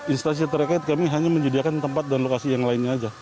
instansi terkait kami hanya menyediakan tempat dan lokasi yang lainnya saja